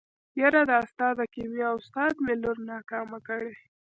يره دا ستا د کيميا استاد مې لور ناکامه کړې.